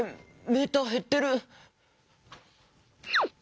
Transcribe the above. メーターへってる。